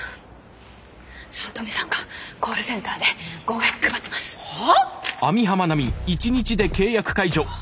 早乙女さんがコールセンターで号外配ってます。はあ！？